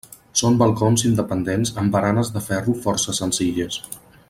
Són balcons independents amb baranes de ferro força senzilles.